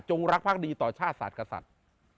จงรักภาคดีต่อชาติศาสตร์กับสัตว์